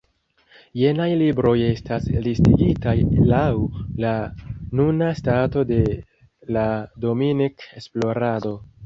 Jenaj libroj estas listigitaj lau la nuna stato de la Dominik-esplorado.